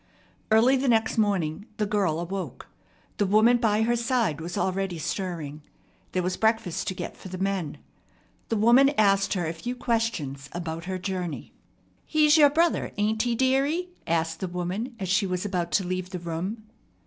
Early the next morning the girl awoke. The woman by her side was already stirring. There was breakfast to get for the men. The woman asked her a few questions about her journey. "He's your brother, ain't he, dearie?" asked the woman as she was about to leave the room.